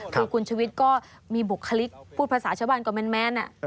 คือคุณชวิตก็มีบุคลิกพูดภาษาชาวบ้านก็แมน